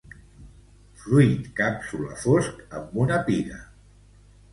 Fruit càpsula fosc amb una piga.